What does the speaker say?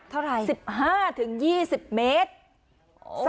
เท่าไหร่สิบห้าถึงยี่สิบเมตร